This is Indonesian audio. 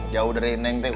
jauh dari neng neng